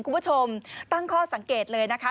คุณผู้ชมตั้งข้อสังเกตเลยนะคะ